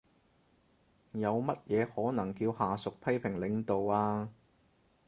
有乜嘢可能叫下屬批評領導呀？